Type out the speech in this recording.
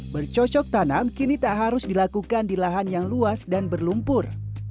bercocok tanam kini tak harus dilakukan di lahan yang luas dan berlumpur